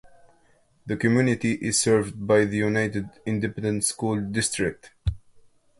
The community is served by the United Independent School District.